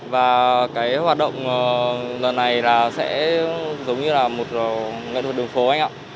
và cái hoạt động lần này là sẽ giống như là một nghệ thuật đường phố anh ạ